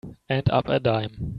And up a dime.